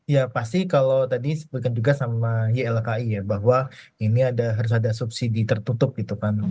ya pasti kalau tadi sebutkan juga sama ylki ya bahwa ini harus ada subsidi tertutup gitu kan